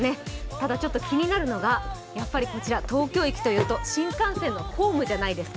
ただ、ちょっと気になるのがやっぱり東京駅というと新幹線のホームじゃないですか。